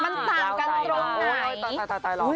มันจังไง